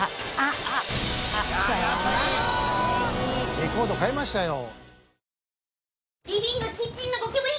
レコード買いましたよ。